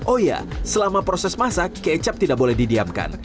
oh ya selama proses masak kecap tidak boleh didiamkan